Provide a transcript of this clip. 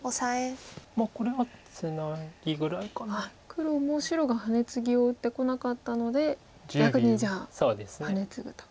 黒も白がハネツギを打ってこなかったので逆にじゃあハネツグと。